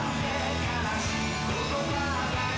悲しい言葉だよ